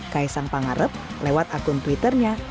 kaisang pangarep lewat akun twitternya